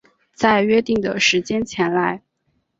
在约定的时间前来